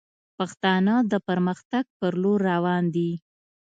پښتانه د پرمختګ پر لور روان دي